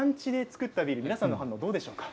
団地で作ったビール皆さんの反応、どうでしょうか？